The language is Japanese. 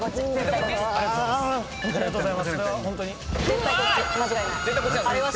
ありがとうございます！